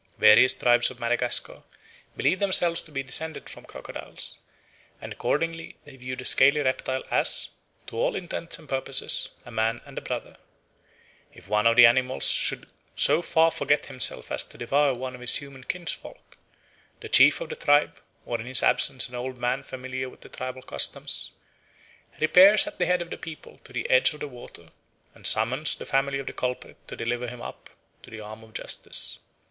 Various tribes of Madagascar believe themselves to be descended from crocodiles, and accordingly they view the scaly reptile as, to all intents and purposes, a man and a brother. If one of the animals should so far forget himself as to devour one of his human kinsfolk, the chief of the tribe, or in his absence an old man familiar with the tribal customs, repairs at the head of the people to the edge of the water, and summons the family of the culprit to deliver him up to the arm of justice.